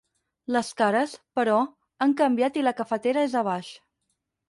Les cares, però, han canviat i la cafetera és a baix.